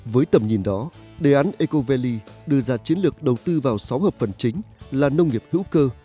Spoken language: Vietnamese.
với tầm nhìn đó đề án ecovalley đưa ra chiến lược đầu tư vào sáu hợp phần chính là nông nghiệp hữu cơ